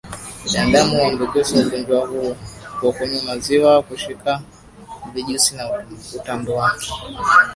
Binadamu huambukizwa ugonjwa huu kwa kunywa maziwa kushika vijusi na utando wake